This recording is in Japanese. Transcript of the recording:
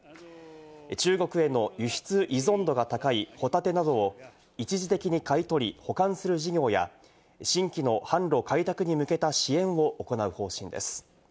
中国への輸出依存度が高いホタテなどを一時的に買い取り、保管する事業や新規の販路開拓に向けた支援を行う方針です。